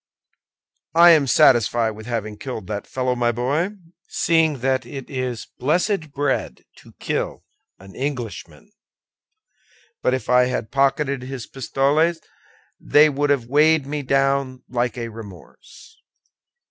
"I am satisfied with having killed that fellow, my boy, seeing that it is blessed bread to kill an Englishman; but if I had pocketed his pistoles, they would have weighed me down like a remorse."